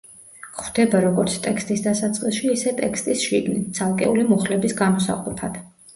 გვხვდება როგორც ტექსტის დასაწყისში, ისე ტექსტის შიგნით, ცალკეული მუხლების გამოსაყოფად.